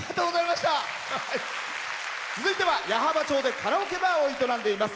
続いては矢巾町でカラオケバーを営んでいます。